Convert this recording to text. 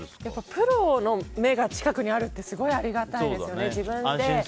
プロの目が近くにあるってすごいありがたいですよね。